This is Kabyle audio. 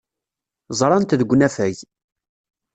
Ẓran-t deg unafag.